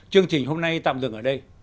chương trình hôm nay tạm dừng ở đây